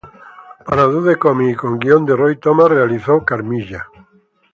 Para Dude Comics y con guion de Roy Thomas, realizó "Carmilla.